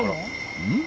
うん？